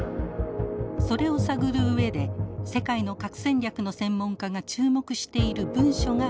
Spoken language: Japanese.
それを探る上で世界の核戦略の専門家が注目している文書があります。